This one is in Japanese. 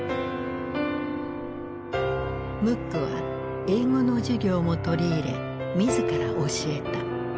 ムックは英語の授業も取り入れ自ら教えた。